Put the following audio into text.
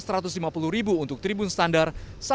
rp satu ratus lima puluh untuk tribun standar